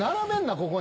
ここに。